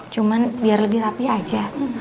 cuma biar lebih rapi aja